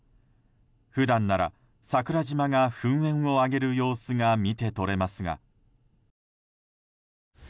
普段なら桜島が噴煙を上げる様子が見て取れますが。